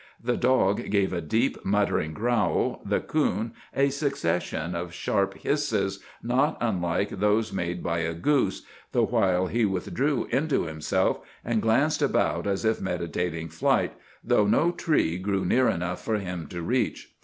The dog gave a deep, muttering growl; the coon a succession of sharp hisses, not unlike those made by a goose, the while he withdrew into himself and glanced about as if meditating flight, though no tree grew near enough for him to reach.